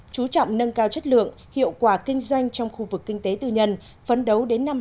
chú trọng nâng cao chất lượng hiệu quả kinh doanh trong khu vực kinh tế tư nhân phấn đấu đến năm hai nghìn ba mươi